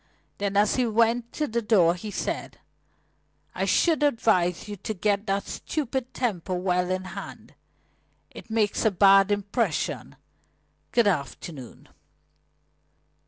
Then as he went to the door he said: "I should advise you to get that stupid temper well in hand. It makes a bad impression. Good afternoon."